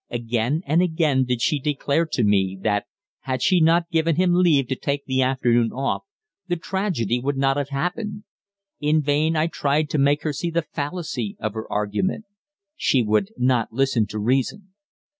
Again and again did she declare to me that, had she not given him leave to take the afternoon off the tragedy would not have happened. In vain I tried to make her see the fallacy of her argument she would not listen to reason.